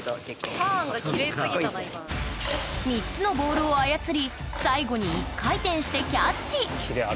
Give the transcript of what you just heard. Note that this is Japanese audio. ３つのボールを操り最後に１回転してキャッチ。